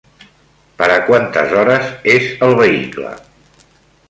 Per a quantes hores és el vehicle?